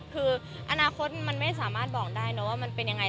คืออนาคตมันไม่สามารถบอกได้นะว่ามันเป็นยังไง